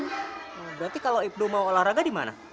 nah berarti kalau ibnu mau olahraga di mana